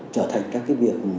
trở thành các cái việc